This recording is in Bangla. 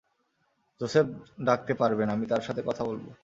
জোসেফ ডাকতে পারবেন, আমি তার সাথে কথা বলব।